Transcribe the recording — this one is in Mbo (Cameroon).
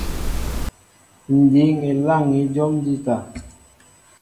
Ǹ dǐŋ elâŋ̀i jǒm njíta.